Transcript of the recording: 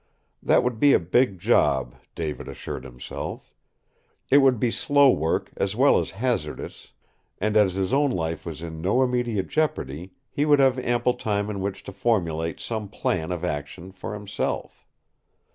That would be a big job, David assured himself. It would be slow work as well as hazardous, and as his own life was in no immediate jeopardy, he would have ample time in which to formulate some plan of action for himself.